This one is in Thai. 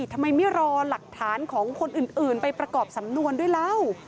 ทำไมไม่รอหลักฐานของคนอื่นไปประกอบสำนวนด้วยแล้ว